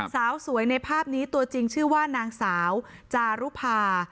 สาวสวยในภาพนี้ตัวจริงชื่อว่านางสาวจารุภา